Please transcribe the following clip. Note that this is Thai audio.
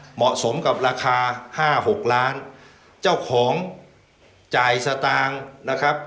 เหมาะสมกับราคาห้าหกล้านเจ้าของจ่ายสตางค์นะครับ